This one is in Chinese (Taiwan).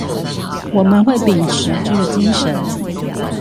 我們會秉持這個精神